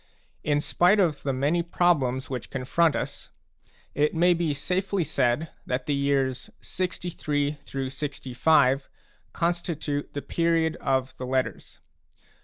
In spite of the many problems which confront us, it may be safely said that the years 63 65 constitute the period of the Letters.